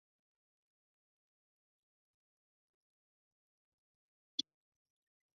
该化石随后为纪念纽曼而被命名为纽氏呼气虫。